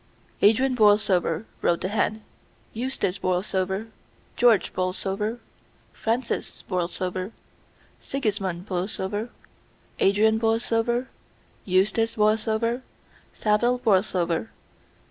"Adrian Borlsover," wrote the hand, "Eustace Borlsover, George Borlsover, Francis Borlsover Sigismund Borlsover, Adrian Borlsover, Eustace Borlsover, Saville Borlsover.